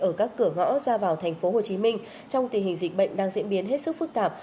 ở các cửa ngõ ra vào tp hcm trong tình hình dịch bệnh đang diễn biến hết sức phức tạp